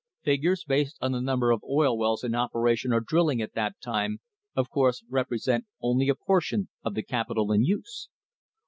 Figures based on the number of oil wells in operation or drilling at that time of course represent only a portion of the capital in use.